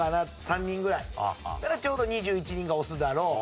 だからちょうど２１人が押すだろう。